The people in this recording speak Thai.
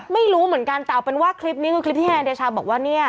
ไม่รู้เหมือนกันแต่เอาเป็นว่าคลิปนี้คือคลิปที่ธนายเดชาบอกว่าเนี่ย